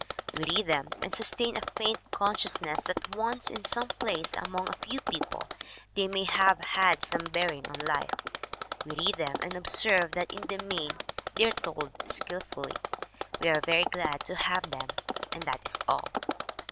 We read them and sustain a faint consciousness that once in some place among a few people they may have had some bearing on life. We read them and observe that in the main they are told skillfully. We are very glad to have them and that is all.